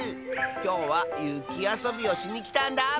きょうはゆきあそびをしにきたんだ！